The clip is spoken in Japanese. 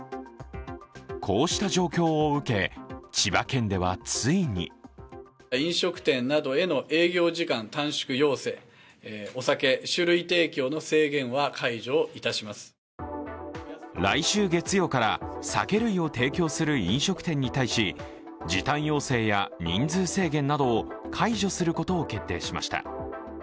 こうした状況を受け、千葉県ではついに来週月曜から酒類を提供する飲食店に対し、時短要請や人数制限などを解除することを決定しました。